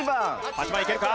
８番いけるか？